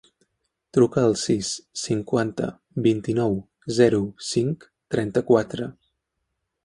Truca al sis, cinquanta, vint-i-nou, zero, cinc, trenta-quatre.